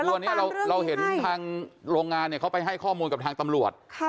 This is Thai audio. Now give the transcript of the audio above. คือวันนี้เราเห็นทางโรงงานเขาไปให้ข้อมูลกับทางตำรวจ